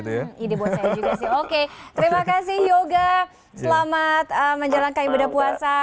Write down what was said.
ide buat saya juga sih oke terima kasih yoga selamat menjalankan ibadah puasa